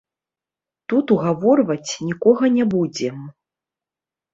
Тут угаворваць нікога не будзем.